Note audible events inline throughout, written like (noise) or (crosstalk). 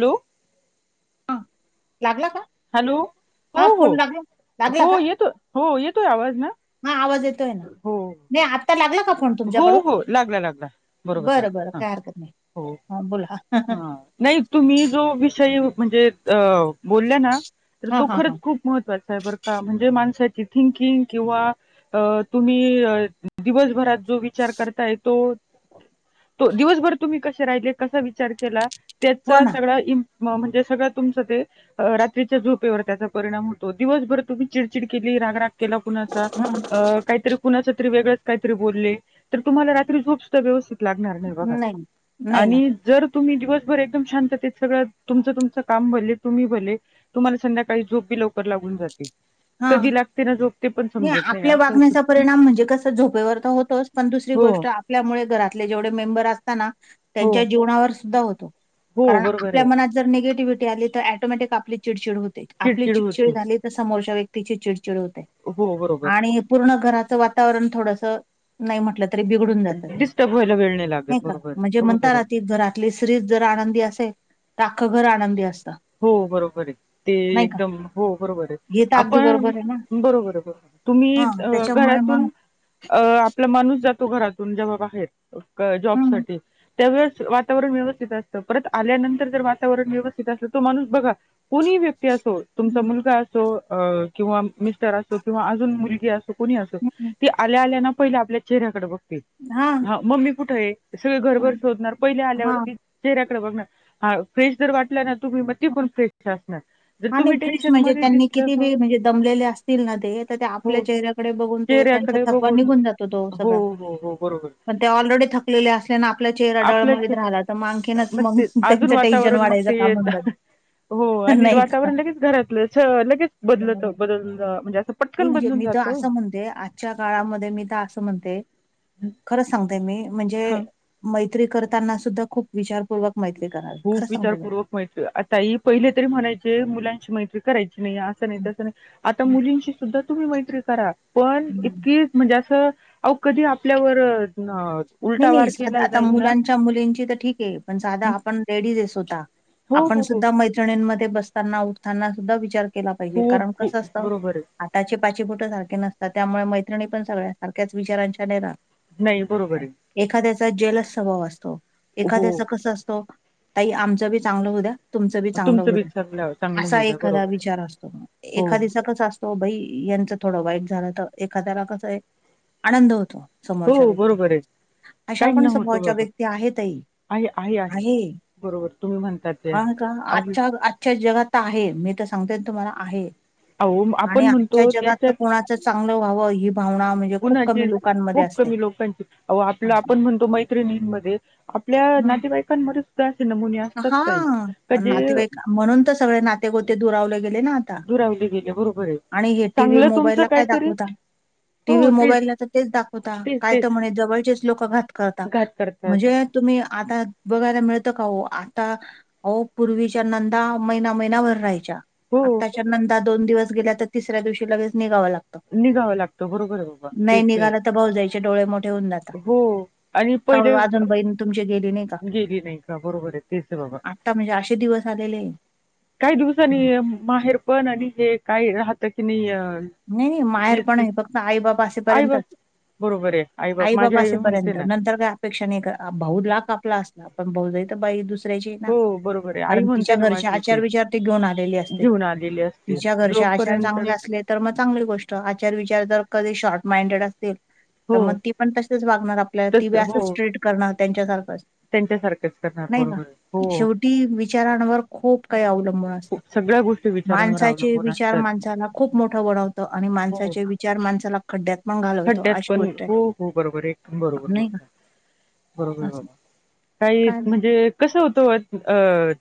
Hello हां, लागला का? हॅलो हो, हां, हो, फोन लागला लागला हो का? येतो हो येतोय आवाज ना हां, आवाज येतोय ना. हो नाही आत्ता लागला फोन हो, तुमच्याकडून? हो लागला, लागला बरोबर बरं, बरं लागला ह काही हरकत नाही. हो हां, बोला. हा नाही तुम्ही जो विषय म्हणजे बोलला ना तर हां, तो हां, खरंच हां. खूप महत्त्वाचं आहे बरं का म्हणजे माणसाची थिंकिंग किंवा अ तुम्ही दिवसभरात जो विचार करताय तो, तो दिवसभर तुम्ही कसे राहिले कसा विचार केला हो त्याचा ना. सगळा इ म्हणजे सगळं तुमचं ते अ रात्रीच्या झोपेवर त्याचा परिणाम होतो दिवसभर तुम्ही चिडचिड केली राग, राग केला कुणाचा हां, अ काही तरी कुणाच तरी वेगच काहीतरी बोले तर तुम्हाला रात्री झोप सुद्धा व्यवस्थित लागणार नाही बघा नाही ना. आणि जर तुम्ही दिवसभर एकदम शांततेत सगळं तुमचं, तुमचं काम भले तुम्ही भले तुम्हाला संध्याकाळी झोपी बी लवकर लागून जाते हां, कधी लागते ना झोप ते पण नाही समजत आपल्या असं वागण्याचा होतं. परिणाम म्हणजे कस झोपेवर तर होतोच पण दुसरी हो, गोष्ट आप आपल्यामुळे घरातले जेवढे मेंबर असताना हो, त्यांच्या जीवनावर सुद्धा होतो हो कारण बरोबर आपल्या आहे. मनात जर निगेटिव्हिटी आली तर ऍटोमॅटिक आपली चिडचिड होते आपली चिडचिड झाली तर समोरच्या व्यक्तीची चिडचिड होते हो बरोबर. आणि पूर्ण घराचं वातावरण थोडंसं नाही म्हटलं तरी बिघडून जातं ते डिस्टर्ब व्हायला वेळ लागत नाही का बरोबर आहे म्हणजे म्हणता बरोबर आहे ना ती जरा पली स्त्री जर आनंदी असेल तर अखं घर आनंदी असत हो बरोबर आहे ते एकदम हो बरोबर आहे हे तर अगदी आपण बरोबर आहे ना बरोबर आहे बरोबर तुम्ही हा त्याच्यामुळे मग घरातून अ आपला माणूस जातो घरातून जेव्हा बाहेर क हम्म जॉबसाठी. त्यावेळेस वातावरण व्यवस्थित असतं परत आल्यानंतर जर वातावरण व्यवस्थित असलं तो माणूस बघा कोणी व्यक्ती असो तुमचा मुलगा असो अ किंवा मिस्टर असो किंवा अजून मुलगी असो. कुणी अस हम्म ती आल्या आल्या ना पहिल आपल्या चेहऱ्याकडे बघते. हा. मम्मी कुठं आहे सगळ घरभर शोधणार पहिले हा आल्यावरती चेहऱ्याकड बघनार हा फ्रेश जर वाटला ना तुम्ही म पण फ्रेश असणार. जर आणि तुम्ही फ्रेश टेन्शन म्हणजे मध्ये त्यांनी दिसलं किती ह बी म्हणजे दमलेले असतील ना ते तर त्या हो आपल्या चेहऱ्या कडे बघून ते त्यांचा चेहऱ्याकडे थकवा बघून निघून जातो तो हो सगळा. हो हो बरोबर मग त्या ऑलरेडी थकलेल असल्याने आपला चेहरा डळमळीत आपल्याच राहिला तर मग अनखीनच मग ते अजून त्यांचं टेन्शन वातावरण मग वाढायचं ते काम. (unintelligible) नाही ग. पोर लगेच घरातलं च लगेच बदलतं बदल ब म्हणजे असं मी पटकन म्हणजे बदलून मी तर जातो असं म्हणते आ च्या काळामध्ये मी तर असं म्हणते खरंच सांगते मी म्हणजे हा मैत्री करताना सुद्धा खूप विचारपूर्वक मैत्री कराल. खूप विचारपूर्वक मैत्री आ ताई पहिले तरी म्हणायचे मुलांची मैत्री करायची नाही असं नाही हं, तसं नाही आता हं, मुलींशी सुद्धा तुम्ही मैत्री करा पण हं. इतकी म्हणजे असं अवो कधी आपल्यावर नाही उलटा नाही वार साध केला आता जाईल ना मुलांच्या मुलींची तर ठीक आहे पण साध आपण लेडीज स्वतः हो आपणा हो हो सुद्धा मै -त्रीणीं मध्ये बसताना उठताना सुद्धा विचार केला पाहिजे खूप कारण कस खूप असतं - बरोबर - आहे हाताची पाची बोटं सारखे नसतात त्यामुळे मैत्रिणी पण सगळ्या सारख्याच विचारांच्या नाही ना. नाही बरोबरय. एखाद्याचा जलस स्वभाव असतो हो एखाद्याचा कसं असतो ताई आमचं बी चांगलं होद्या. तुमचं बी चांगलं तुमचं हो बी द्या चांगलं चांगलं असा होऊ द्या एखादा बरोबर आहे विचार असतो हो एखादीचा कस असत तो बाई यांचं थोडं वाईट झालं तर एखाद्याला कसय आनंद होतो. समोरच्या हो बरोबर आहे व्यक्तीतनच. अशा काही न पण होतो समोरच्या बाबा व्यक्ती आहे तई. आहे. बरोबर तुम्ही म्हणतात ते आहे ह का अहो आजच्या आजच्या जगात त आहे मी तर सांगतेन तुम्हाला आहे. अहो, आणि आपण आजच्या म्हणतो जगात तर त्याच्या कोणाच चांगलं व्हावं ही भावना म्हणजे खूप गुणाचे कमी लोक खूप कमी लोकांची अव आपलं आपण म्हणतो मैत्रिणींमध्ये आपल्या हम्म नातेवाईकांमध्ये सुद्धा असे नमुने असतात ताई का हां, जे नातेवाईक म्हणून तर सगळे नाते गोते दुरावले गेले ना? आत्ता दुरावले गेले बरोबर आहे आणि हे टीव्ही चांगलं मोबाईल तुमचं ला काय काहीतरी दाखवता? टीव्ही हो तेच मोबाईलला तर तेच दाखवता. तेच काय तेच तर म्हणे जवळचेच लोक घात करता. घात करतात म्हणजे तुम्ही आता बघायला मिळत का हो आता अ वो पूर्वीच्या नंदा महिना महिनाभर राहायच्या. हो आत्ताच्या नंदा दोन दिवस गेल्या तर तिसऱ्या दिवशी लगेच निघाव लागत. निघावं लागतं बरोबर आहे बाबा ते ते त भाऊजायचे डोळे मोठे होऊन द्यात. हो आणि पहिले तुमची गेली नाही का? गेली नाही का बरोबर आहे तेच आहे बाबा. अता म्हणजे अशे दिवस आलेले आहे. काही दिवसांनी माहेर पण आणि हे काय राहत की नाही? नही, नही माहेर पण हेच हे फक्त आई बाबा आई बाप असेपर्यंतच. बरोबर आहे बाप आई माझी बापा असे म्हणते पर्यंत ना नंतर का अपेक्षा नाही कर भाऊ लाख आपला असला, पण भाऊजई त बाई दुस ऱ्याची ना हो बरोबर आहे. आई कारण म्हणते तिच्या ना घरचे माझी आचार तेच विचार ती घेऊन आलेली असते. घेऊन आलेली असते. तिच्या घरचे आचार जोपर्यंत तर चांगले असले तर म चांगली गोष्ट, आचार विचार जर कधी शॉर्ट माइंडेड असतील त हो. मग ती पण तसीच वागणार आपल्या ती बी तसं असं हो. स्ट्रीट करणार त्यांच्यासारखंच. त्यांच्यासारखंच करणार बरोबर हो. ती विचारांवर खूप काही अवलंबून असत. खूप सगळ्या गोष्टी विचारांवर माणसाचे अवलंबून विचार असतात. माणसाला खूप कुठ ओढावत आणि हो. माणसाचे विचार माणसाला खड्ड्यात पण घालवतो खड्ड्यात अशी पण गोष्ट आहे हो-हो बरोबर हे बरोबर नाही का बोलता. बरोबर असं काही काय म्हणजे कसं होतं ओ अ.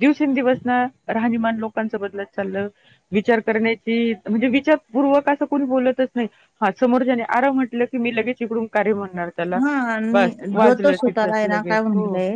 दिवसेंदिवस ना राहणीमान लोकांचं बदलत चाललं. विचार करण्याची म्हणजे विचारपूर्वक असं कोणी बोलतच नाहीत. समोरच्याने आर म्हटलं की मी लगेच इकडून का रे म्हणणार. त्याला हा आणि बस जो तो वाजलं तिथंच स्वतःला हे ना लगेच काय हो म्हणलंय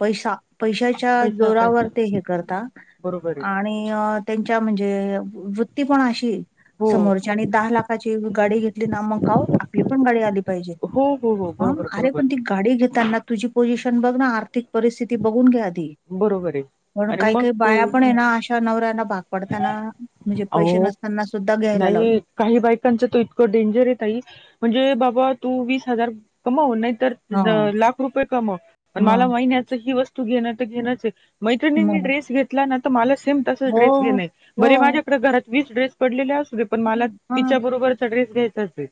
पैसा, पैशाच्या पैसा पैसा जोरावर ते हे करता बरोबर आहे आणि अ त्यांच्या म्हणजे वृत्ती पण अशी हो समोरच्यानी दहा लाखाची गाडी घेतली ना मग का ओ आपली पण गाडी आली पाहिजे. हो हो हो! अ बरोबर आरे बरोबर पण ती गाडी घेताना तुझी पोझिशन बघ ना आर्थिक परिस्थिती बघून घे आधी बरोबर ये. म्हणून काही, काही बाया पण हे ना अशा नवऱ्याना भाग पाडता ना, म्हणजे पैसे अहो नसताना सुद्धा घ्यायला लाव नाही काही बायकांचं त इतकं डेंजर ये ताई म्हणजे बाबा तू वीस हजार कमव नाही तर हा लाख रुपये कमव मला मग महिन्याच ही वस्तू घेण त घेणच हे. मैत्रिणींनी मग ड्रेस घेतला ना, तर मला सेम तसा हो ड्रेस घेणंय, हो बरे माझ्याकडे घरात वीस ड्रेस पडलेले असूदे पण मला हा तिच्याबरोबरचा ड्रेस घ्यायचाच हे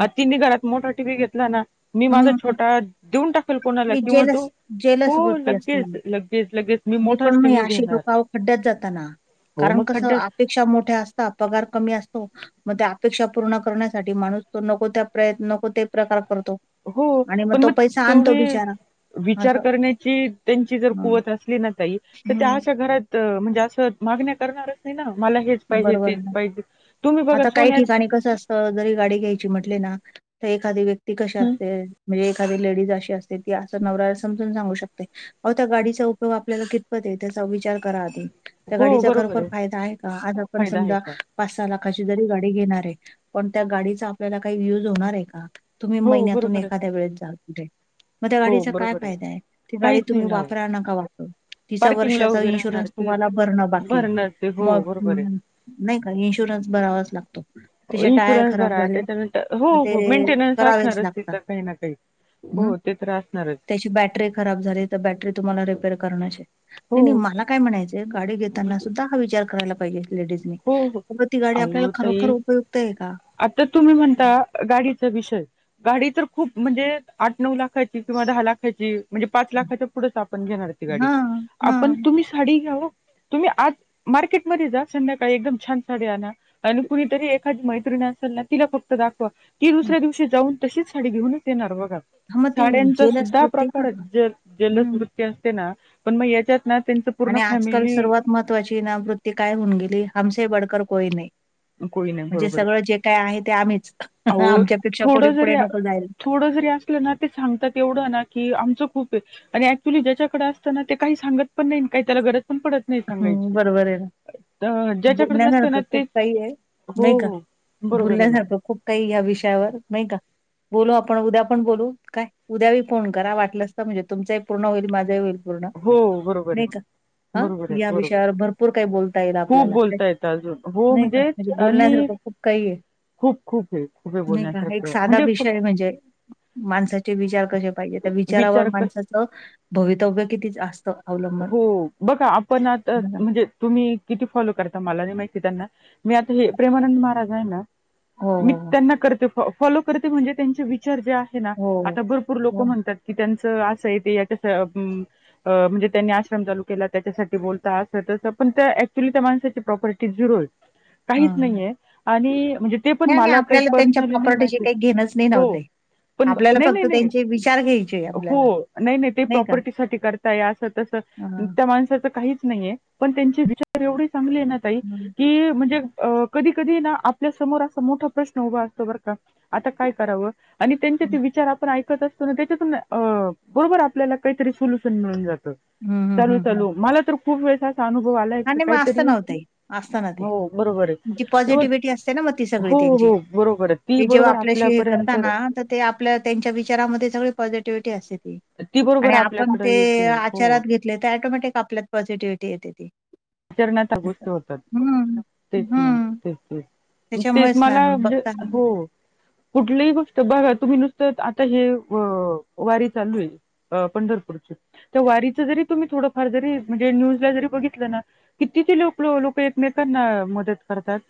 आ तिनी घरात मोठा टीवी घेतला ना मी माझा हम्म. छोटा देऊन टाकेल कोणाला ही किंवा तो जेलस हो लगेच-लगेच, लगेच मी नई पण मोठाच म टीव्ही अशी घेणार लोक अहो खड्डयात जाता ना हो कारण मग कसं खड्ड्यात आप पेक्षा मोठ्या असतात पगार कमी असतो. मग त्या अपेक्षा पूर्ण करण्यासाठी माणूस तो नको त्या प्रयत्न नको ते प्रकार करतो. हो आणि मग पण म तो पैसा आणतो तेवढे बिचारा विचार असं करण्याची त्यांची जर कुवत अस ली ना ताई त त्या अशा हम्म घरात म्हणजे असं मागण्या करणारच नाही मला हे हेच पाहिजे, बरोबर आहे तेच ना. पाहिजे, तुम्ही बघा सोन्यात त जरी गाडी घ्यायची म्हटले ना त एखादी व्यक्ती कशी असते म्हणजे एखादी लेडीज अशी असते, ती असं नवऱ्याला असं समजून सांगू शकते अहो त्या गाडीचा उपयोग आपल्याला कितपत हे त्याचा विचार करा आधी. त्या हो गाडीचा बरोबर खरोखर फायदा आहे का, आज आपण फायदा आहे समजा का पाच, सहा लाखाची जरी गाडी घेणार आहे पण त्या गाडीचा आपल्याला काही यूज होणार हे का? तुम्ही हो महिन्यातून बरोबर आहे एखाद्या वेळेस जाल कुठे म त्या हो गाडीचा काय बरोबर फायदा आहे ती गाडी काहीच नाही तुम्ही ना हो वापरा नका वापरू. तिचा पार्किंगला वर्षाचा उभे राहणार इन्शुरन्स ते तुम्हाला भरणं बाकी हे भरणार ते हो मग बरोबर नाही का इन्शुरन्स भरावाच लागतो. त्याचे टायर इन्शुरन्स खराब भरा झाले त्याच्यानंतर हो तर हो ते मेंटेनन्स करावेच असणारच लागतात तिचा काही ना काही हम्म हो ते तर असणारच. त्याची बॅटरी खराब झाली तर बॅटरी तुम्हाला रिपेअर करणच हे हो नाही नाही मला काय म्हणायचय गाडी घेताना सुद्धा हा विचार करायला पाहिजे लेडीजनी हो हो बाबा ती गाडी आपल्याला अहो खरोखर ताई उपयुक्त आहे का? आता तुम्ही म्हणता गाडीचा विषय गाडी तर खूप म्हणजे आठ नऊ लाखाची किंवा दहा लाखाची म्हणजे पाच लाखाच्या पुढेच आपण घेणार ती गाडी हा हा आपण तुम्ही साडी घ्याव तुम्ही आज मार्केटमध्ये जा संध्या का एकदम छान साडी आना आणि कुणीतरी एखादी मैत्रिणी असाल ना तिला फक्त दाखवा. ती हा. दुसऱ्या दिवशी जाऊन तशीच साडी घेऊनच येणार बघा. मग ते साड्यांचा जेलच सुद्धा वृत्ती प्रकार ना ज जलस हम्म वृत्ती असते ना पण मग याच्यात ना त्यांचं पूर्ण आणि आजकाल फॅमिली सर्वात महत्त्वाची ना वृत्ती काय होऊन गेलीय हमसे बडकर कोई नही. कोळी नाही म्हणजे बरोबर सगळं आहे. जे काय आहे ते आम्हीच अहो आमच्यापेक्षा कोणी पुढे नको जायला. आपलं ना ते सांगतात एवढं ना की आमच खूप आहे. आणि ऍक्च्युली ज्याच्याकडे असत ना, ते काही सांगत पण नाही काही त्याला गरज पण पडत नाही हं, सांगायची बरोबर आहे ना. अ ज्याच्याकड नसतना बोलण्यासारखं खूप तेच काही आहे, हो हो बरोबर आहे ना. अता खूप काही या विषयावर नाही का? बोलू आपण उद्या पण बोलू. काय? उद्या बी फोन करा. वाटलंस तर म्हणजे तुमचंही पूर्ण होईल. माझाही होईल. पूर्ण हो बरोबर नई आहे का? ना हा. बरोबर या आहे बरोबर विषयावर भरपूर काही बोलता येईल खूप आपल्याला. काय? बोलता येतं अजून हो नाही का? म्हणजे आणि बोलण्यासारखं खूप काही आहे. खूप खूप आहे खूप आहे नाही का एक बोलण्यासारखं साधा म्हणजे विषय फक्त म्हणजे माणसाचे विचार कशे पाहिजे त्या विचारवर विचार क माणसा भवितव्य किती जास्त अवलंबुन हो बघा आपण आता म्हणजे तुम्ही किती फॉलो करता मला नाही माहिती त्यांना मी आता हे प्रेमानंद महाराज आहे ना? हो मी हो त्यांना करते फॉ फॉलो करते म्हणजे त्यांचे विचार ज्या हो हो आता भरपूर लोक हो म्हणतात की त्यांच असंय ते तस म अ म्हणजे त्यांनी आश्रम चालू केला त्याच्यासाठी बोलता असं तसं पण त्या ऍक्च्युली त्या माणसाची प्रॉपर्टी झीरो आहे. (inaudible) हा काहीच नाही आहे आणि म्हणजे ते पण नाही नाही मला काही आपल्याला त्यांच्या पर्सनली नाही प्रॉपर्टीशी माहिती. काही घेणंच नाही ना ओ हो. ताई पण आपल्याला नाही नाही फक्त नाही त्यांचे विचार घ्यायचे आपल्याला हो नाही नाही ते प्रॉपर्टीसाठी करताय असं तसं हां. त्या माणसाच काहीच नाहीय पण त्यांचे विचार एवढे चांगले आहे ना - - ताई की म्हणजे कधी कधी ना आपल्या समोर असा मोठा प्रश्न उभा असतो बर का आता काय करावं आणि त्यांचे ते विचार आपण ऐकतच - - त्याच्यातून बरोबर आपल्याला काहीतरी सोल्यूशन मिळून जात. हं, हं, चालू हं, चालू हं. मला तर खूप वेळस अस अनुभव आलाय हा क नाही मग काहीतरी असतं ना ओ ताई असतं ना ते हो बरोबर आहे जी तेव्हा पॉझिटिव्हिटी असते ना मग ती सगळी हो त्यांची हो बरोबरय ती ते जेव्हा बरोबर आपल्याशी हे आपल्यापर्यंत करता ना तर ते आपल्या त्यांच्या विचारामध्ये सगळी पॉझिटिव्हिटी असते ती. ती बरोबर आणि आपण आपल्याकडे ते येते. हो. आचारात घेतले तर ॲटोमॅटिक आपल्यात पॉझिटिव्हटी येते ती. विचरणात त्या अच्छा. गोष्टी होतात. हम्म, तेच ना हम्म. तेच तेच तेच त्याच्यामुळेच ना मला बघता हो. कुठलीही गोष्ट बघा तुम्ही नुसतं आता हे वारी चालू आहे. हा पंढरपूरची त्या वारीच जरी तुम्ही थोडंफार जरी म्हणजे न्यूजला जरी बघितलं ना? किती ते लोक लोक एकमेकांना मदत करतात.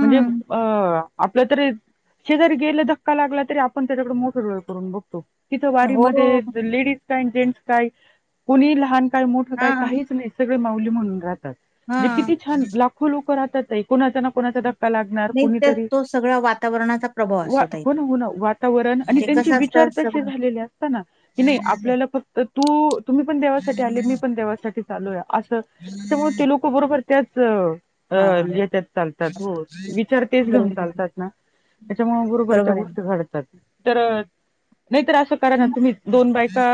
म्हणजे आ आपलं तरी शेजारी गेले धक्का लागला तरी आपण त्याच्याकडे मोठे डोळे करून बघतो. तिथं वारी हो. मध्ये लेडीज काय अन् जेन्ट्स काय कोणी लहान काय मोठं काय हां, काहीच नाही. सगळे माऊली म्हणून राहतात. म्हणजे हां. किती छान लाखो लोक रहतात ताई. कोणाचा ना कोणाचा धक्का का लागणार नाही तर कोणीतरी तो सगळा वातावरणाचा प्रभाव वा असतो ताई पण तो. हुणार वातावरण आणि ते त्यांची भीती कसं विचार असतं तशे सगळं झाले असताना की नाही आपल्याला फक्त तू तुम्ही पण देवासाठी आले मी पण देवासाठीच अलोय अस त्याच्यामुळे ते लोक बरोबर त्याच हां, अ हां. लेत्यात चालतात. हो. तेच घेऊन बरोबर आहे. चालतात ना? त्याच्यामुळे बरोबर त्या आहे ना. गोष्टी घडतात. तर- नाहीतर असं करा ना तुम्ही दोन बायका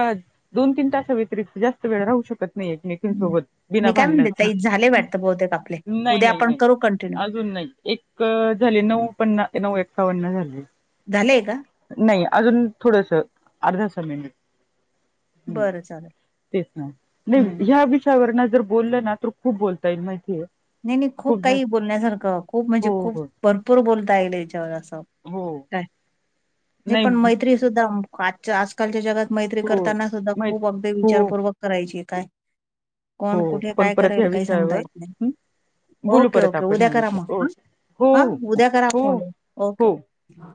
दोन तीन तासा व्यतिरिक्त जास्त वेळ राहू शकत- - नाही एकमेकी हं. सोबत. मी काय म्हणते भांडणच ताई झाले वाटतं बहुतेक आपले. नाही उद्या नाही आपण नाही करू कंटिन्यू. अजून नाही. एक झाले नऊ पन्ना नऊ एकावन्न झाले. झालेय का? नाही अजून थोडस अर्धासा मिनिट. हम्म बरं चालेल. तेच ना? नई हं. ह्या विषय याच्या वर ना जर बोललं ना तर खूप बोलता येईल माहितीय. नाही नाही खूप काही बोलण्यासारखं खूप म्हणजे हो खूप हो भरपूर बोलता येईल याच्यावर असं. हो. जी पण नाही मैत्री सुद्धा म कात ज्या आजकालच्या जगात मैत्री हो करताना सुद्धा माहित खूप अगदी हो विचारपूर्वक करायची काय? हो कोण कुठे पण काय परत ह्या करेल काही सांगता विषयावर येत नाही? हं, बोलू ओके परत ओके आपण उद्या ह्या करा मग विषयावर ह ओके हो हा हो उद्या करा हो फोन ओके हो ओके!